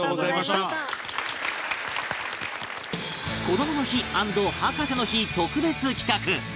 こどもの日＆博士の日特別企画